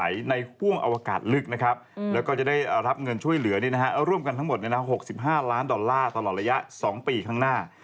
ร่วมกันทั้งหมดในอนาคต๖๕ล้านดอลลาร์ตลอดระยะ๒ปีข้างหน้า